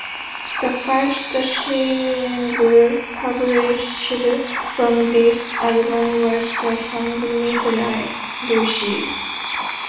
The first single published from this album was the song "Miss Lucy".